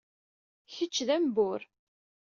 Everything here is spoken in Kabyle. Kečč d ambur?